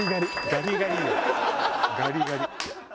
ガリガリ。